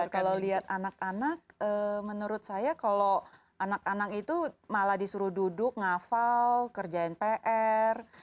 kalau lihat anak anak menurut saya kalau anak anak itu malah disuruh duduk ngafal kerjain pr